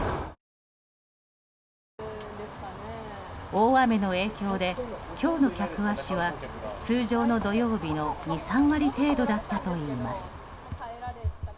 大雨の影響で今日の客足は通常の土曜日の２３割程度だったといいます。